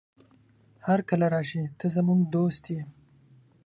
هرکله راشې، ته زموږ دوست يې.